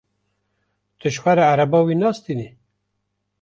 Tu ji xwe ra ereba wî nastînî?